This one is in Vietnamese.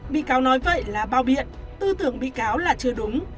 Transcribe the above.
bị cáo nói vậy là bao biện tư tưởng bị cáo là chưa đúng